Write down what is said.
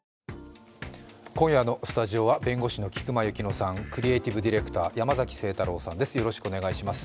今夜のスタジオは弁護士の菊間千乃さん、クリエイティブディレクター山崎晴太郎さんです。